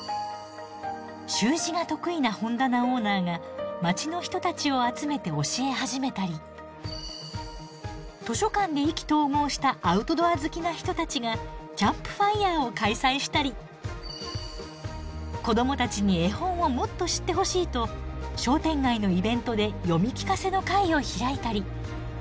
習字が得意な本棚オーナーが街の人たちを集めて教え始めたり図書館で意気投合したアウトドア好きな人たちがキャンプファイアを開催したり子どもたちに絵本をもっと知ってほしいと商店街のイベントで読み聞かせの会を開いたり。